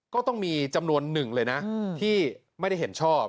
ก็ต้องมีจำนวนหนึ่งเลยนะที่ไม่ได้เห็นชอบ